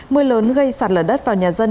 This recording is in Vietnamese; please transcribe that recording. mưa lớn gây sạt lở đất vào nhà dân